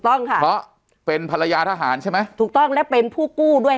ต้องค่ะเพราะเป็นภรรยาทหารใช่ไหมถูกต้องและเป็นผู้กู้ด้วย